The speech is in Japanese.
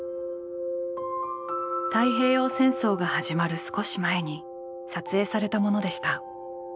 太平洋戦争が始まる少し前に撮影されたものでした。